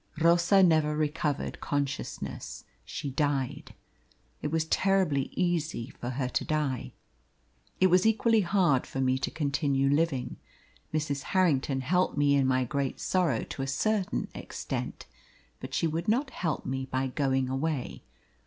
Rosa never recovered consciousness; she died. It was terribly easy for her to die. It was equally hard for me to continue living. Mrs. Harrington helped me in my great sorrow to a certain extent, but she would not help me by going away.